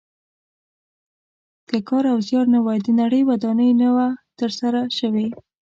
که کار او زیار نه وای د نړۍ ودانۍ نه وه تر سره شوې.